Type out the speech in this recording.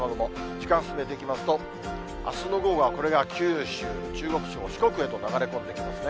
時間進めていきますと、あすの午後はこれが九州、中国地方、四国へと流れ込んできますね。